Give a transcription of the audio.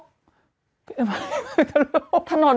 งบทะโน้น